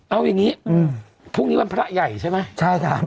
เอาอย่างนี้พรุ่งนี้วันพระใหญ่ใช่ไหมใช่ค่ะ